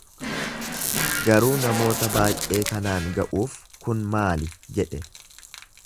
Garuu namoota baay’ee kanaan ga’uuf kun maali jedhe.